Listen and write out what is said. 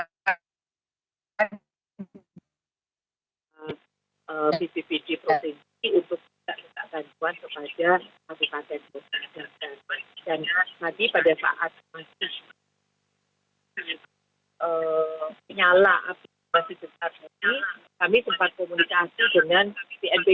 bppt untuk tidak letak tajuan kepada masyarakat tentu dan tadi pada saat menyala api masih